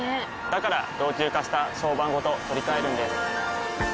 から老朽化した床版ごと取り替えるんです。